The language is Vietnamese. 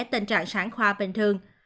tình trạng sản khoa bình thường